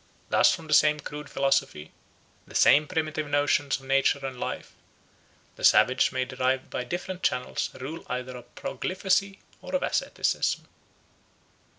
Thus from the same crude philosophy, the same primitive notions of nature and life, the savage may derive by different channels a rule either of profligacy or of asceticism.